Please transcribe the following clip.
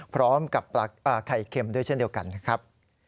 พร้อมกับไข่เค็มด้วยเช่นเดียวกันนะครับ